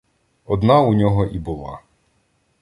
Одна у нього і була.